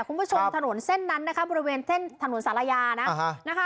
คุณผู้ชมถนนเส้นนั้นนะคะบริเวณเส้นถนนศาลายานะนะคะ